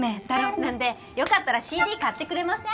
なんでよかったらＣＤ買ってくれません？